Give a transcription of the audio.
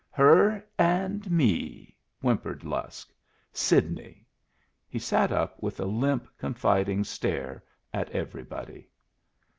"Her and me," whimpered Lusk. "Sidney." He sat up with a limp, confiding stare at everybody.